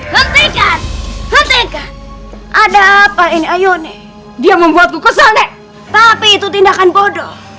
hentikan hentikan ada apa ini ayo nih dia membuatku kesal nek tapi itu tindakan bodoh